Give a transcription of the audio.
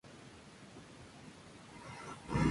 Habita torrentes y pedregales en faldeos rocosos.